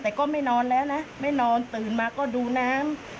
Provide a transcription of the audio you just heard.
แต่ก็ไม่นอนแล้วนะไม่นอนตื่นมาก็ดูน้ำ